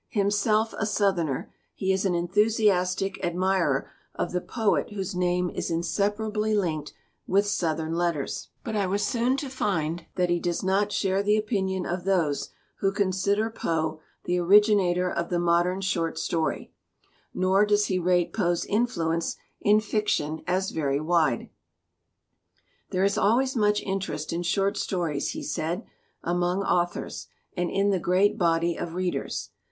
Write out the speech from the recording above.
Himself a Southerner, he is an enthusiastic admirer of the poet whose name is inseparably linked with Southern letters. But I was soon to find that he does not share the opinion of those who consider Poe the originator of the modern short story, nor does he rate Poe's influence in fiction as very wide. 89 LITERATURE IN THE MAKING "There is always much interest in short stories," he said, "among authors, and in the great body of readers.